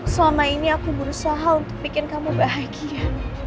selama ini aku berusaha untuk bikin kamu bahagia